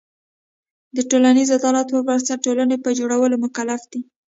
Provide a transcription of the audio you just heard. د ټولنیز عدالت پر بنسټ ټولنې په جوړولو مکلف دی.